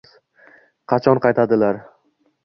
Qachon qaytadilar.